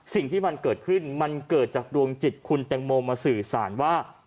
สิ่งที่มันเกิดขึ้นมันเกิดจากดวงจิตคุณแตงโมมาสื่อสารว่า